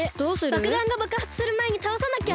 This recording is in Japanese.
ばくだんがばくはつするまえにたおさなきゃ！